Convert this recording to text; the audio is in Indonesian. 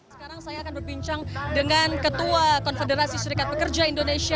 sekarang saya akan berbincang dengan ketua konfederasi serikat pekerja indonesia